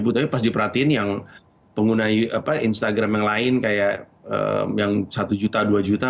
tapi pas diperhatiin yang pengguna instagram yang lain kayak yang satu juta dua juta